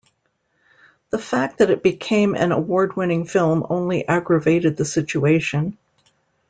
The fact that it became an award-winning film only aggravated the situation.